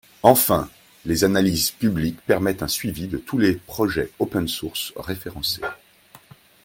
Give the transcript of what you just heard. Enfin, les analyses publiques permettent un suivi de tous les projets open source référencés.